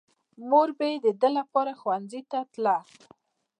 مور به يې د ده لپاره ښوونځي ته تله.